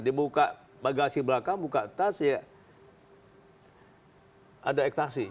dibuka bagasi belakang buka tas ya ada ekstasi